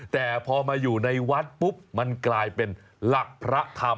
แต่พอมาอยู่ในวัดปุ๊บมันกลายเป็นหลักพระธรรม